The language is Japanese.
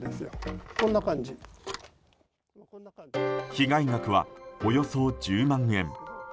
被害額は、およそ１０万円。